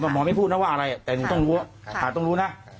หมอไม่พูดนะว่าอะไรแต่ต้องรู้นะ